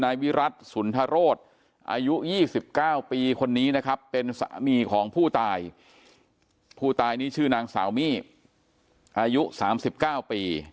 นายวิรัติสุนทรโรธอายุยี่สิบเก้าปีคนนี้นะครับเป็นสามีของผู้ตายผู้ตายนี่ชื่อนางสาวมีอายุสามสิบเก้าปี